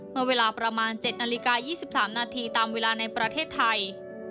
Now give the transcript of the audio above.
เมื่อเวลาประมาณ๗นาฬิกา๒๓นาทีตามเวลาในประเทศไทย